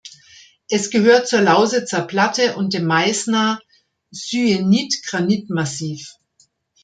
Es gehört zur Lausitzer Platte und dem Meißner Syenit-Granit-Massiv.